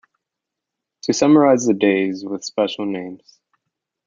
To summarise the days with special names.